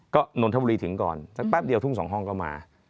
ก็ถึงก่อนสักแป๊บเดียวทุ่ง๒ห้องก็มา